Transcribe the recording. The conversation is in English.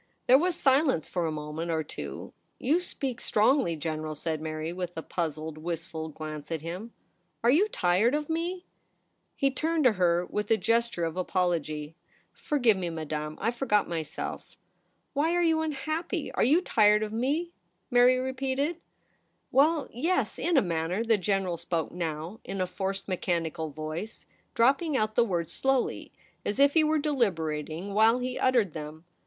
There was silence for a moment or two. * You speak strongly, General,' said Mary, with a puzzled, wistful glance at him. ' Are you tired of me ?' He turned to her with a gesture of apology. ' Forgive me, Madame. I forgot myself.' ' Why are you unhappy ? Are you tired of me ?' Mary repeated. * Well — yes — in a manner.' The General spoke now in a forced, mechanical voice, dropping out the words slowly, as if he were deliberating while he uttered them.